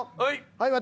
はい私。